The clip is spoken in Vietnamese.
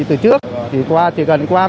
từ trước chỉ cần qua